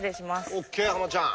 ＯＫはまちゃん。